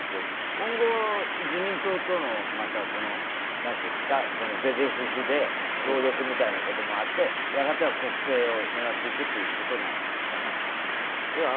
今後、自民党との是々非々で協力みたいなこともあって、やがては国政を狙っていくということなんですかね？